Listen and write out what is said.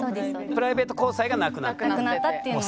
プライベート交際がなくなった。